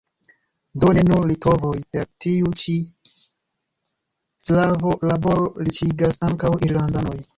Do ne nur litovoj per tiu ĉi sklavo-laboro riĉiĝas – ankaŭ irlandanoj.